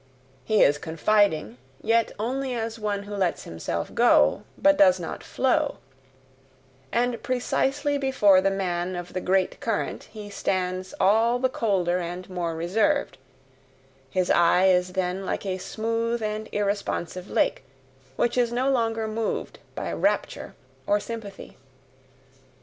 He is confiding, yet only as one who lets himself go, but does not FLOW; and precisely before the man of the great current he stands all the colder and more reserved his eye is then like a smooth and irresponsive lake, which is no longer moved by rapture or sympathy.